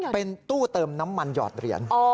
เป็นตู้เติมน้ำมันหยอดเหรียญ